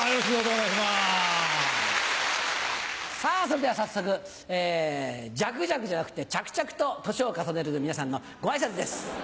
それでは早速ジャクジャクじゃなくてチャクチャクと年を重ねる皆さんのご挨拶です。